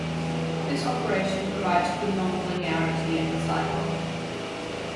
This operation provides the non-linearity in the cipher.